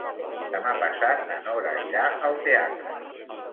Demà passat na Nora irà al teatre.